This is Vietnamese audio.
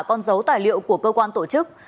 con dấu tài liệu của cơ quan tổ chức